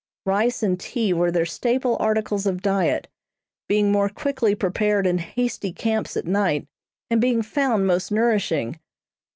Rice and tea were their staple articles of diet, being more quickly prepared in hasty camps at night, and being found most nourishing.